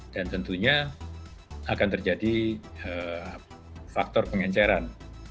dan tentunya akan terjadi faktor pengenceran